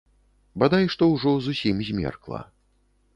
Бадай што ўжо зусім змеркла.